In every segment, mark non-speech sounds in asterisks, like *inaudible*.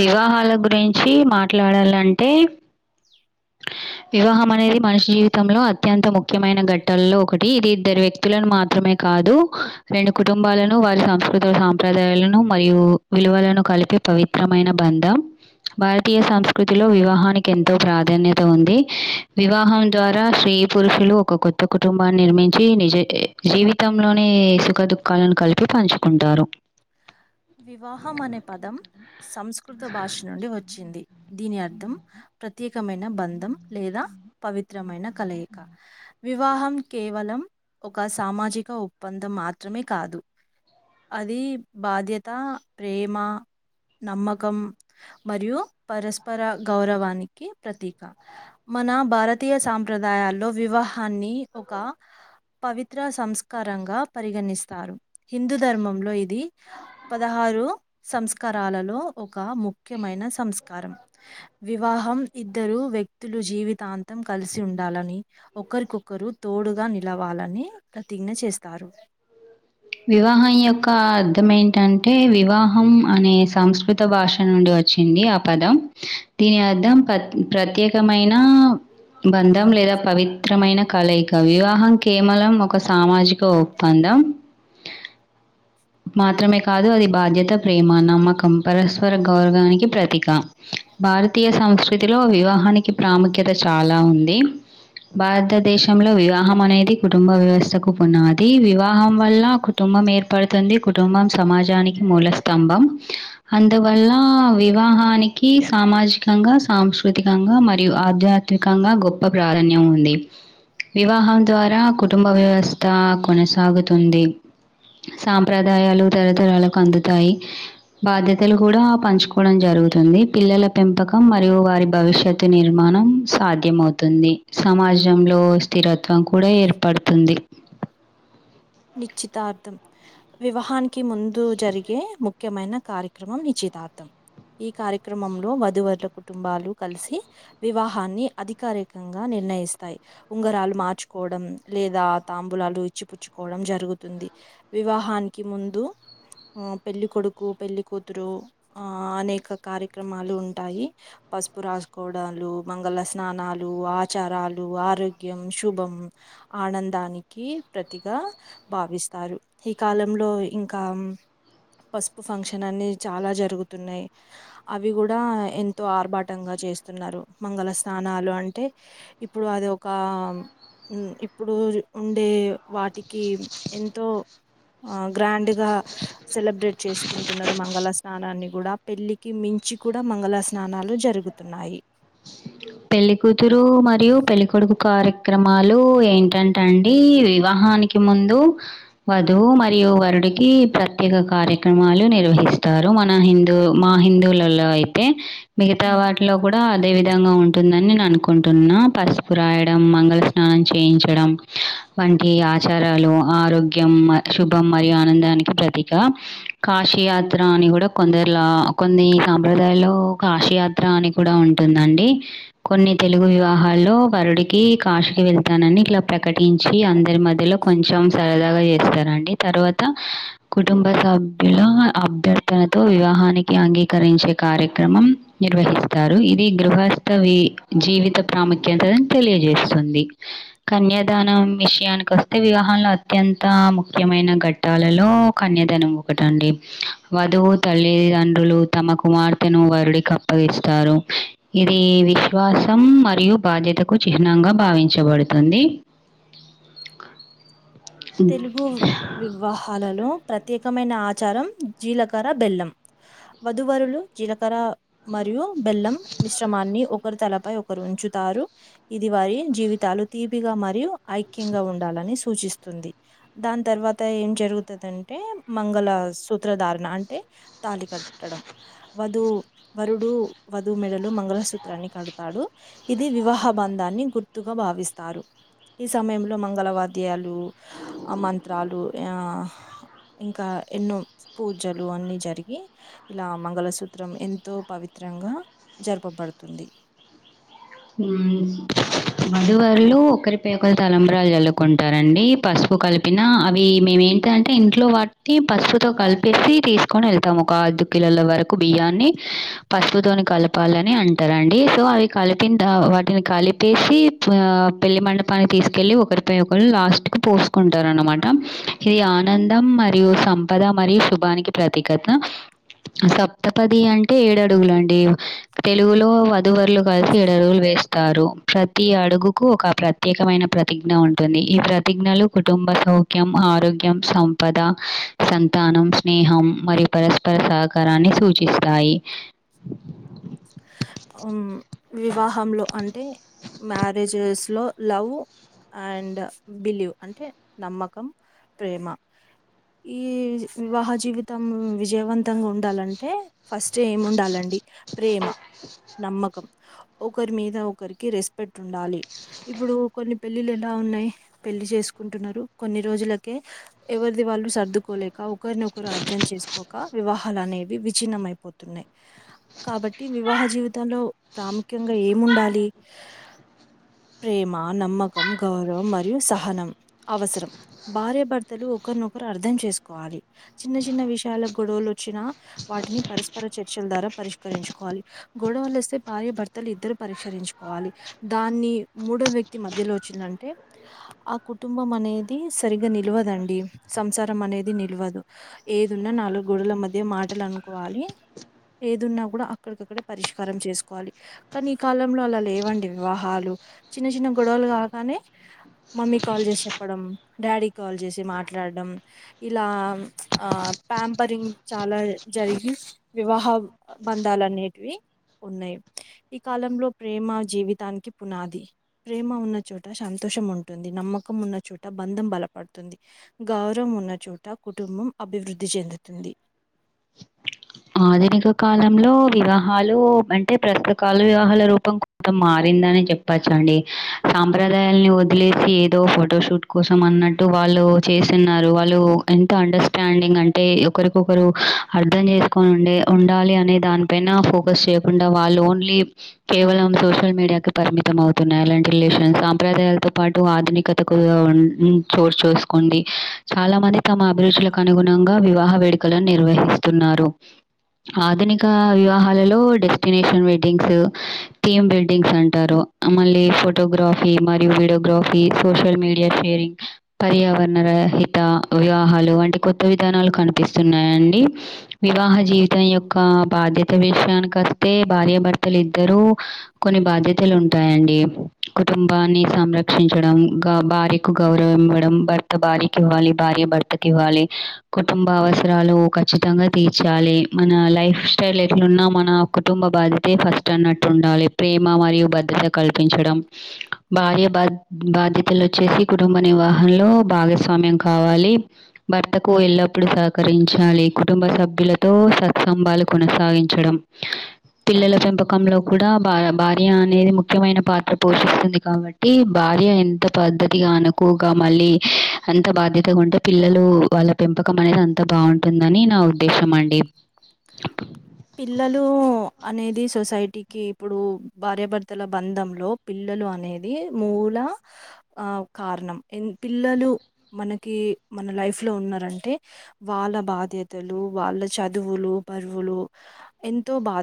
వివాహాల గురించి మాట్లాడాలంటే వివాహం అనేది మనిషి జీవితంలో అత్యంత ముఖ్యమైన ఘట్టాల్లో ఒకటి ఇది ఇద్దరు వ్యక్తులను మాత్రమే కాదు రెండు కుటుంబాలను వారి సంస్కృత సాంప్రదాయాలను మరియు విలువలను కలిపే పవిత్రమైన బంధం భారతీయ సంస్కృతిలో వివాహానికి ఎంతో ప్రాధా ధాన్యత ఉంది వివాహం ద్వారా స్త్రీ, పురుషులు ఒక కొత్త కుటుంబాన్ని నిర్మించి నిజ జీవితంలోనే సుఖ దుఃఖాలను కలిపి పంచుకుంటారు వివాహం అనే పదం సంస్కృత భాష నుండి వచ్చింది దీని అర్థం ప్రత్యేకమైన బంధం లేదా పవిత్రమైన కలయిక వివాహం కేవలం ఒక సామాజిక ఒప్పందం మాత్రమే కాదు అది బాధ్యత ప్రేమ నమ్మకం మరియు పరస్పర గౌరవానికి ప్రతీక మన భారతీయ సాంప్రదాయాల్లో వివాహాన్ని ఒక పవిత్ర సంస్కారంగా పరిగణిస్తారు హిందూ ధర్మంలో ఇది పదహారు సంస్కారాలలో ఒక ముఖ్యమైన సంస్కారం వివాహ ఇద్దరు వ్యక్తులు జీవితాంతం కలిసి ఉండాలని ఒకరికొకరు తోడుగా నిల్ లవాలని ప్రతిజ్ఞ చేస్తారు వివాహం యొక్క అర్థం ఏంటంటే వివాహం అనే సంస్కృత భాష నుం వచ్చింది ఆ పదం దీని అర్థం ప్ ప్రత్యేకమైన బంధం లేదా పవిత్రమైన కలయిక వివాహం కేమలం ఒక్ ఒక సామాజిక ఒప్పందం మాత్రమే కాదు అది బాధ్యత ప్రేమ, నమ్మకం, పరస్పర గౌరవానికి ప్రతీక భారతీయ సంస్కృతిలో వివాహానికి ప్రాముఖ్యత చాలా ఉంది భారతదేశంలో వివాహం అనేది కుటుంబ వ్యవస్థకు పునాది వివాహ వల్ల కుటుంబం ఏర్పడుతుంది కుటుంబం సమాజానికి మూల స్తంభం అందువల్ల వివాహానికి సామాజికంగా, సాంస్కృతికంగా మరియు ఆధ్యాత్మిక సాత్వికంగా గొప్ప ప్రాధాన్యం ఉంది. వివాహం ద్వారా కుటుంబ వ్యవస్థ కొనసాగుతుంది. సాంప్రదాయాలు తరతరాలకు అందుతాయి. బాధ్యతలు కూడా పంచుకోవడం జరుగుతాయి. పిల్లల పెంపకం మరియు వారి భవిష్యత్తు నిర్మాణం సాధ్యమవుతుంది. సమాజంలో స్థిరత్వం కూడా ఏర్పడుతుంది. నిశ్చితార్థం వివాహానికి ముందు జరిగే ముఖ్యమైన కార్యక్రమం. నిశ్చితార్థం ఈ కార్యక్రమంలో వధువరుల కుటుంబాలు కలిసి వివాహాన్ని అధికారికంగా నిర్ణయిస్తాయి. ఉంగరాలు మార్చుకోవడం లేదా తాంబులాలు ఇచ్చి పుచ్చు కోవడం జరుగుతుంది. వివాహానికి ముందు ఆ పెళ్లి కొొడుకు పెళ్లికతురు అనేక కార్యక్రమాలు ఉంటాయి. పసుపు రాసుకోవడాలు, మంగళ స్నానాలు ఆచారాలు, ఆరోగ్యం, శుభం. ఆనందానికి ప్రతి కగా భావిస్తారు. ఈ కాలంలో ఇంకా పసుపు ఫంక్షన్ అన్ని చాలా జరుగుతున్నాయి. అవి కూడా ఎంతో ఆర్భాటంగా చేస్తున్నారు. మంగళ స్నానాలు అంటే ఇప్పుడు అది ఒక ఇప్పుడు ఉండే వాటికి ఎంతో ఆ గ్రాండ్గా సెలబ్రేట్ చేసుకుంటున్నారు. మంగళ స్నానాన్ని కూడా పెళ్ళికి మించి నుంచి కూడా మంగళ స్నానాలు జరుగుతున్నాయి. పెళ్లికతురు మరియు పెళ్లికొడుకు కార్య క్రమాలు ఏంటంటేండి, వివాహానికి ముందు వధువు మరియు వరుడు ప్రత్యేక కార్యక్రమాలు నిర్వహిస్తారు. మన హిందువులలో అయితే మిగతా ఉమ్. వాటిలో కూడా అదే విధంగా ఉంటుంది. ఉంటుందని నేను అనుకుంటున్నా, పసుపు రాయడం, మంగళ స్నానం చేయించడం. వంటి ఆచారాలు ఆరోగ్యం, శుభం మరియు ఆనందానికి ప్రతీక గా కాశయాత్ర అని కూడా కొందరి లో కొన్ని సాంప్రదాయాల్లో కాశయాత్ర అని కూడా ఉంటుందండి. అండి కొన్ని తెలుగు వివాహాల్లో వరుడికి కాశీ కి వెళ్తానని ఇట్లా ప్రకటించి, అందరి మధ్యలో కొంచెం సరదాగా చేస్తారండి. తర్వాత కుటుంబ సభ్యులు అభ్యర్థనతో వివాహానికి అంగీకరించే కార్యక్రమం నిర్వహిస్తారు. ఇది గృహ గృహస్థవి. జీవిత ప్రాముఖ్యతని తెలియజేస్తుంది. కన్యాదానం విషయానికి వస్తే వివాహము లో అత్యంత ముఖ్యమైన ఘట్టాలలో కన్యాదానం ఒకటండి. వధువు తల్లిదండ్రులు తమ కుమార్తెను వరుడికి అప్పగిస్తారు. ఇది విశ్వాసం మరియు బాధ్యతకు చిహ్నంగా భావించబడుతుంది. ఇంకా తెలుగు వివాహాలలో ప్రత్యేకమైన ఆచారం జీలకర్ర బెల్లం. వధువరులు జీలకర్ర మరియు బెల్లం మిశ్రమాన్ని ఒకరి తలపై ఒకరు ఉంచుతారు. ఇది వారి జీవితాలు తీపిగా మరియు ఐక్యంగా ఉండాలని సూచిస్తుంది. దాని తర్వాత ఏం జరుగుతుందింటే మంగళ సూత్రధారణ. అంటే తాళి కట్టడం వధువు వరుడు వధువు మెడలో మంగళసూత్రాన్ని కడతాడు. ఇది వివాహ బంధాన్ని గుర్తు. గ భావిస్తారు ఈ సమయంలో మంగళవాద్యాలు *inaudible* అ మంత్రాలు ఆ ఇంకా ఎన్నో పూజలు అన్ని జరిగి ఇలా మంగళసూత్రం ఎంతో పవిత్రంగా జరపబడుతుంది. *inaudible* ఉ వదువర్లు ఒకరి పే ఒకరు తలంబరాలు జల్లుకుంటారండి పసుపు పసు కలిపిన అవి మేము ఏంటింటే ఇంట్లో బట్టి పసుపుతో కలిపేసి తీసుకొని వెళ్తాము. ఒక ఐదు కిలోల వరకు బియ్యాన్ని పసుపుతోని కలపాలని అంటారండి సో అవి కలిపి కింద వాటిని కలిపేసి ఆ పెళ్లి మండపానికి తీసుకెళ్ళలి ఒకరిపై ఒకరు లాస్ట్కు పో చూసుకుంటార అనమాట ఇది ఆనందం మరియు సంపద మరియు శుభానికి ప్రతీకత. సప్తపది అంటే ఏడు అడుగులు అండి. తెలుగులో వధువరులు కలిసి ఏ ఎడడుగులు వేస్తారు ప్రతి అడుగుకు ఒక ప్రత్యేకమైన ప్రతిజ్ఞ ఉంటుంది ఈ ప్రతిజ్ఞలు కుటుంబ సౌక్యం ఆరోగ్యం సంపద సంతానం స్నేహం మరియు పరస్పర సహకారాన్ని సూచిస్తాయి ఉమ్, వివాహంలో అంటే మ్యారేజెస్ లో లవ్ అండ్ బిలీవ్ అంటే నమ్మకం, ప్రేమ. ఈ వివాహ జీవితం విజయవంతంగా ఉండాలంటే ఫస్ట్ ఏమి ఉండాలండి ప్రేమ, నమ్మకం *inaudible* ఒకరి మీద ఒకరికి రెస్పెక్ట్ ఉండాలి. ఇప్పుడు కొన్ని పెళ్ళిలు ఎలా ఉన్నాయి పెళ్లి చేసుకు కుంటున్నారు కొన్ని రోజులకే ఎవరిది వాళ్ళు సర్దుకోలే ఒకరినొకరు అర్థం చేసుకోక వివాహ హలనేవి విచిన్నమయిపోతున్నాయి కాబట్టి వివాహ జీవితంలో ప్రాముఖ్యంగా ఏముండాలి ప్రేమ నమ్మకం గౌరవం మరియు సహనం అవసరం భార్యభర్తలు ఒకరినొకరు అర్థం చేసుకోవాలి చిన్న చిన్న విషయాల గొడవలు వచ్చినా వాటిని పరస్పర చర్చ చర్చల్ ద్వార పరిష్కరించుకోవాలి గొడవలు వస్తే భార్యభర్తలు ఇద్దరు పరిష్కారించుకోవాలి దాన్ని మూడో వ్యక్తి మధ్యలో చ్చిందంటే ఆ కుటుంబం అనేది సరిగా నిల్వదండి సంసారం అనేది నిల్వ వదు ఏదున్నా నాలుగు గోడల మధ్య మాటలు అనుకోవాలి ఏదున్నా కూడా అక్కడికక్కడే పరిష్కారం చేసుకోవాలి. కానీ ఈ కాలంలో అలా లేవండి వివాహాలు చిన్న చిన్న గొడవలు. ల్ కాగానే మమ్మీ కాల్ చేసి చెప్పడం డాడీ కాల్ చేసి మాట్లాడడం ఇలా ఆ ఆ ప్యాంపరింగ్ చాలా జరిగి వివాహ బంధాలు అనేటివి ఉన్నాయి ఈ కాలంలో ప్రేమ జీవితానికి పునాది ప్రేమ ఉన్న చోట శాంత ర్షం ఉంటుంది నమ్మకం ఉన్న చోట బంధం బలపడుతుంది గౌరవం ఉన్న చోట కుటుంబం అభివృద్ధి చెందుతుంది *inaudible* ఆధునిక కాలంలో వివాహాలు అంటే ప్రస్తుకలు వివాహాల రూపం కొంతం మారింది. ఉందాని చెప్పచ్చండి సాంప్రదాయాలన్ని వదిలేసి ఏదో ఫోటోషూట్ కోసం అన్నట్టు వాళ్ళు ళ్ళు చేసిన్నారు వాళ్ళు ఎంత అండర్స్టాండింగ్ అంటే ఒకరికి ఒకరు అర్ధంచే ఉండే ఉండాలి అనే దాని పైన ఫోకస్ చేయకుండా వాళ్ళు ఓన్లీ కేవలం సోషల్ మీడియాకె పరిమిత అవుతున్నర్లెండి రిలేషన్ సాంప్రదాలయలతో పాటు ఆధునికతకు చోటుచసుకుంది చాలా మంది తమ అభిరుచులకు అనుగుణంగా గా వివాహ వేడుకలను నిర్వహిస్తున్నారు ఆధునిక వివాహాలలో డెస్టినేషన్ వెడ్డింగ్స్ థీమ్ బిల్డింగ్స్ అంటారు మళ్ళీ ఫోటోగ్రాఫీ మరియు వీడియోగ్రఫీ సోషల్ మీడియా ఎరి పర్యావరణ రహిత వివాహాలు వంటి కొత్త విధానాలు కనిపిస్తున్నాయండి వివాహ జీవితం యొక్క బాధ్యత విషయానికి వస్తే భార్యభర్తలు ఇద్దరు కొన్ని బాధ్యతలు ఉంటాయండి కుటుంబాన్ని సంరక్షించడం గౌ భార్యకు గౌరవం ఇవ్వ డం భర్త భార్యకి ఇవ్వాలి భార్య భర్తకి ఇవ్వాలి కుటుంబ అవసరాలు ఖచ్చితంగా తీర్చాలి మన లైఫ్ స్టైల్ ఎట్లున్నా మన కుటుంబ బాధ్యత ఫస్ట్ అన్నట్టు ఉండాలి ప్రే మ మరియు భద్రత కల్పించడం భార్య బా బాధ్యతలు వచ్చేసి కుటుంబ నివాహ సంలో భాగస్వామ్యం కావాలి భర్తకు ఎల్లప్పుడూ సహకరించాలి కుటుంబ సభ్య భ్యులతో సత్సంభాలు కొనసాగించడం పిల్లల పెంపకంలో కూడా భ భార్య అనేది ముఖ్యమైన పాత్ర పోషిస్తుంది కాబట్టి భార ర్య ఎంత పద్ధతిగా అనుకోగా మళ్ళీ అంత బాధ్యతగా ఉంటే పిల్లలు వాళ్ళ పెంపకం మనేది అంతా బాగుంటుందని నా ఉద్దేశం అండి పిల్లలు అనేది సొసైటీకి ఇప్పుడు భార్యభర్తల బంధంలో పిల్లలు ిలలు అనేది మూల ఆ కారణం పిల్లలు మనకి మన లైఫ్లో ఉన్నారంటే వాళ్ళ బాధ్యతలు వాళ్ళ చదువులు బరువులు ఎంతో బా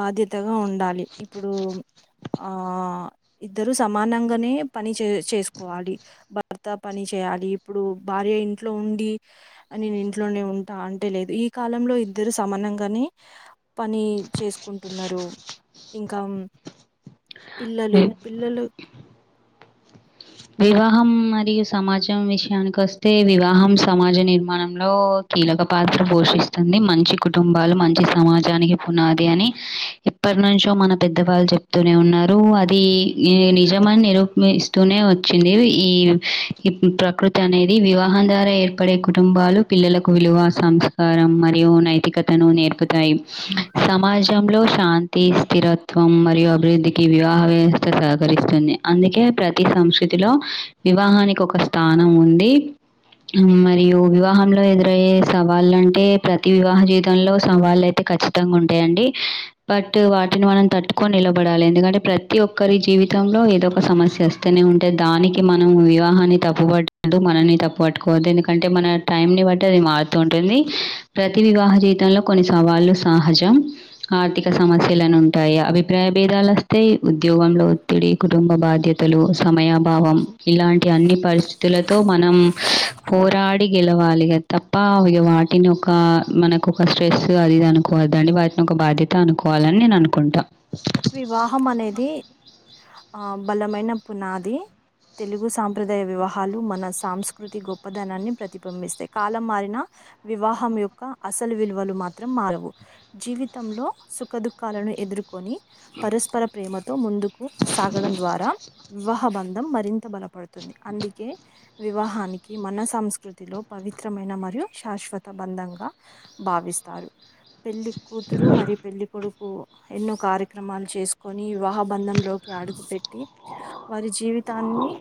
బాధ్యతగా ఉండాలి ఇప్పుడు ఆ ఇద్దరు సమానంగానే పని చే చేసుకోవాలి భర్త పని చే చేయాలి ఇప్పుడు భార్య ఇంట్లో ఉండి నేను ఇంట్లోనే ఉంటా అంటే లేదు ఈ కాలంలో ఇద్దరు ఇద్దరు సమానంగానే పని చేసుకుంటున్నారు ఇంకా పిల్లలు పిల్లలు వివాహం మరియు సమాజం విషయానికస్తే వివాహం సమాజ నిర్మాణంలో కీలక పాత్ర పోషిస్తుంది మంచి కుటుంబాలు మంచి సమాజానికి పునాది అని ఎప్పటి నుంచో మన పెద్దవాళ్ళు చెప్తూనే ఉన్నారు అది నీ నిజమని నిరూపిస్తూనే ింది ఈ ప్రకృతి అనేది వివాహం ద్వారా ఏర్పడే కుటుంబాలు పిల్లలకు వి విలువ సంస్కారం మరియు నైతికతను నేర్పుతాయి సమాజంలో శాంతి స్థిరత్వం మరియు అభివృద్ధికి వివాహ వ్యవస్థ సహకరిస్తుంది అందుకే ప్రతి సంస్కృతి లో వివాహానికి ఒక స్థానం ఉంది మరియు వివాహంలో ఎదురయ్యే సవాళ్ళ అంటే ప్రతి వివాహ జీవితంలో సవాళ్ళు అయితే ఖచ్చితంగా ఉంటాయండి బట్ వాటిని మనం తట్టుకొని నిలబడాలి ఎందుకంటే ప్రతి ఒక్కరి జీవి తంలో ఏదో ఒక సమస్య వస్తేనే ఉంట్ అంటే దానికి మనం వివాహాన్ని తప్పుబట్టదు మనల్ని తప్పు పట్టుకోవద్దు ఎందుకంటే మన టైం ని బట్టి మారుతూ ఉంటుంది ప్రతి వివాహ జీవితంలో కొన్ని సవాళ్ళు సహజం ఆర్థిక సమస్య శిలలను ఉంటాయి అభిప్రాయ భేదాలు వస్తేయి ఉద్యోగంలో ఒత్తిడి కుటుంబ బాధ్యతలు సమయాభావం ఇలాంటి అన్ని పరిస్థితులతో మనం పోరాడి గెలవాలి ఇగ తప్ప ఇగ వాటిని ఒక మనకు ఒక స్ట్రెస్ అది ఇది అనుకో దండి వాటిని ఒక బాధ్యత అనుకోవాలని నేను అనుకుంటా వివాహం అనేది ఆ బలమైన పునాది తెలుగు సాంప్రదాయ వివాహాలు మన సాంస్కృతి గొప్పదనాన్ని ప్రతిబిబిస్తాయి కాలం మారిన వివాహం యొక్క అసలు విలువలు మాత్రం మారవు జీవితంలో సుఖ దుఃఖాలను ఎదుర్కొని పరస్పర ప్రేమతో ముందుకు సాగడం ద్వారా వివాహ బంధం మరింత బలపడుతుంది అందుకే వివాహానికి మన సంస్కృతిలో పవి విత్రమైన మరియు శాశ్వత బంధంగా భావిస్తారు పెళ్లి కూతురు మరి పెళ్లి కొడుకు ఎన్నో కార్య క్రమాలు చేసుకొని వివాహ బంధంలోకి అడుగుపెట్టి వారి జీవితాన్ని తాన్ని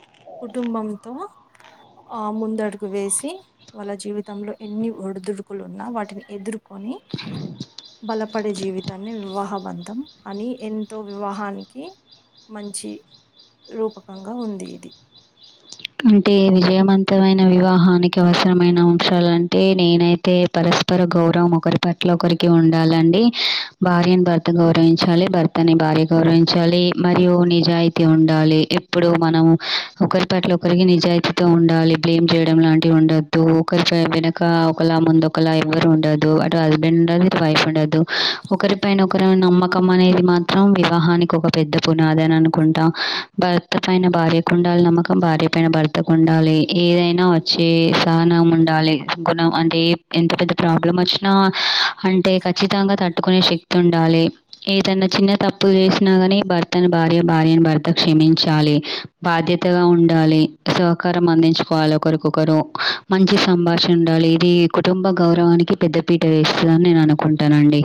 కుటుంబంతో *inaudible* ఆ ముందడుగు వేసి వాళ్ళ జీవితంలో ఎన్ని ఒడుదుడుకులు ఉన్నా వాటిని ఎదుర్కొని *unintelligible* బలపడే జీవితాన్ని వివాహబంధం అని ఎంతో వివాహానికి మంచి రూపకంగా ఉంది ఇది అంటే విజయవంతమైన వివాహానికి అవసరమైన అంశాలంటే నేనైతే పరస్పర పరస్పర గౌరవం ఒకరి పట్ల ఒకరికి ఉండాలండి భార్యను భర్త గౌరవించాలి భర్తని భార్య గౌరవించాలి మరియు నిజాయితీ ఉండాలి ఎప్పుడు మనము ఒకరి పట్ల ఒకరు ఒకరికి నిజాయితీతో ఉండాలి బ్లేమ్ చేయడం లాంటివి ఉండద్దు ఒకరి వెనక ఒకలా ముందు ఒకలా ఎవరు ఉండదు అటు హస్బెండ్ ఉండదు ఇటు వైఫ్ ఉండదు ఒకరి పైన ఒకరు నమ్మకం అనేది మాత్రం వివాహానికి ఒక పెద్ద పునాది అని అనుకుంటాం భర్త పైన భార్యకు ఉండాలి నమ్మకం భార్య పైన భర్తకు ఉండాలి ఏదైనా వచ్చే సహనం ఉండాలి గుణం అంటే ఎంత పెద్ద ప్రాబ్లం వచ్చిన అంటే ఖచ్చితంగా తట్టుకునే తట్టుకునే శక్తి ఉండాలి ఏదన్నా చిన్న తప్పు చేసినా కాని భర్తను భార్య భార్యని భర్త క్షమించాలి క్షమించాలి బాధ్యతగా ఉండాలి సహకారం అందించుకోవాలి ఒకరికొకరు మంచి సంభాషణ ఉండాలి ఇది కుటుంబ గౌరవం మనకి పెద్ద పీట వేస్తుందని నేను అనుకుంటానండి